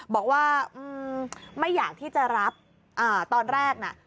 บอกว่าไม่อยากที่จะรับตอนแรกน่ะ